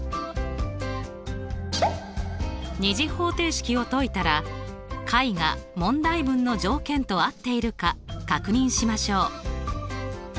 ２次方程式を解いたら解が問題文の条件と合っているか確認しましょう。